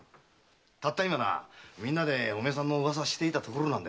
たった今みんなでおめえさんの噂してたところだ。